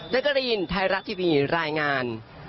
แจ๊กกะรีนไทรักษ์ทีวีรายงาน